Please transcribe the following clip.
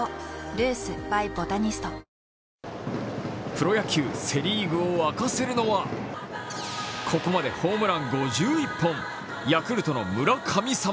プロ野球セ・リーグを沸かせるのはここまでホームラン５１本ヤクルトの村神様